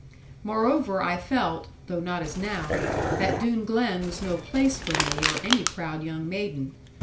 Moreover I felt (though not as now) that Doone Glen was no place for me or any proud young maiden.